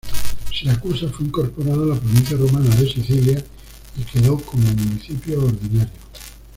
Siracusa fue incorporada a la provincia romana de Sicilia y quedó como municipio ordinario.